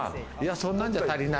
そんなんじゃ足りない。